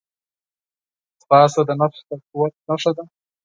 ځغاسته د نفس د قوت نښه ده